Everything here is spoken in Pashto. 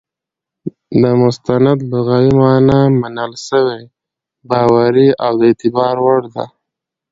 د مستند لغوي مانا منل سوى، باوري، او د اعتبار وړ ده.